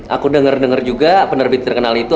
aku denger denger juga penerbit terkenal itu